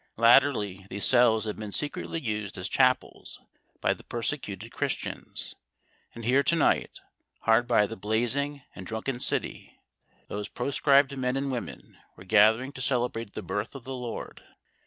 Latterly these cells had been secretly used as chapels by the persecuted Chris tians ; and here to night — hard by the blazing and drunken city — these proscribed men and women were gathering to celebrate the birth of the Lord.